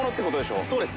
そうです。